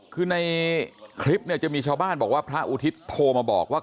คือในคลิปเนี่ยจะมีชาวบ้านบอกว่าพระอุทิศโทรมาบอกว่า